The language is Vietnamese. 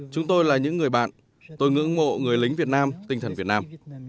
chúng tôi là những người bạn tôi ngưỡng mộ người lính việt nam tinh thần việt nam